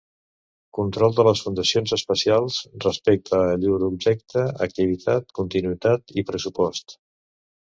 Control de les fundacions especials respecte a llur objecte, activitat, continuïtat i pressupost.